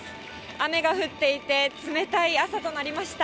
雨が降っていて、冷たい朝となりました。